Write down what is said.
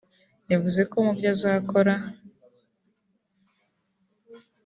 yavuze ko mu byo azakora